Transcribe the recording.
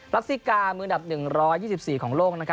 ลักษณ์ซิกามือหนับ๑๒๔ของโลก